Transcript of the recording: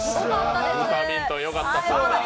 ブタミントンよかったです。